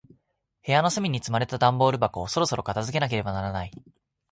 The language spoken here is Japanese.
部屋の隅に積まれた段ボール箱を、そろそろ片付けなければならない。